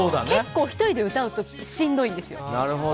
結構、１人で歌うとしんどいんですよ。